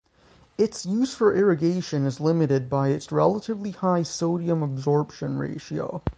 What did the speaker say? Its use for irrigation is limited by its relatively high sodium adsorption ratio.